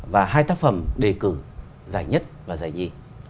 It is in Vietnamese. và hai tác phẩm đề cử giải nhất và giải nhì